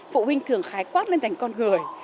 phụ huynh thường khái quát lên thành con người